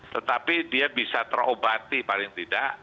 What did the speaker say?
tetapi dia bisa terobati paling tidak